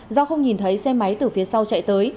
do không nhìn thấy xe máy từ phía sau chạy tới